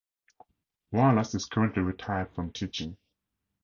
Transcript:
Wallace is currently retired from teaching.